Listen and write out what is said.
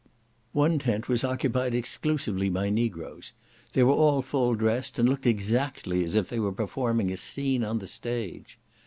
One tent was occupied exclusively by Negroes. They were all full dressed, and looked exactly as if they were performing a scene on the stage.